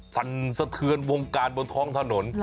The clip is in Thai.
สั่นสะเทือนวงการบนท้องถนน